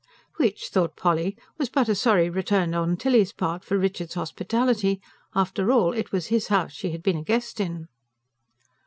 Which, thought Polly, was but a sorry return on Tilly's part for Richard's hospitality. After all, it was his house she had been a guest in.